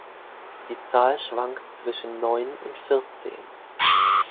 Die Zahl schwankt zwischen neun und vierzehn.